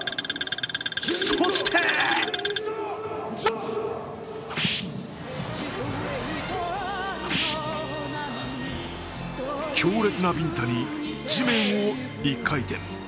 そして強烈なビンタに地面を１回転。